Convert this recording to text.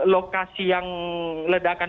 lokasi yang ledakan